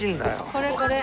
これこれ。